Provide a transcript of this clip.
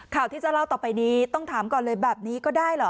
ข่าวที่จะเล่าต่อไปนี้ต้องถามก่อนเลยแบบนี้ก็ได้เหรอ